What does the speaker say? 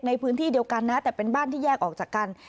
ในพื้นที่เดียวกันนะแต่เป็นบ้านที่แยกออกจากกัน